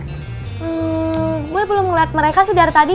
hmm gue belum melihat mereka sih dari tadi